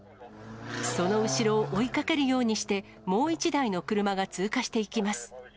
その後ろを追いかけるようにして、もう１台の車が通過していきます。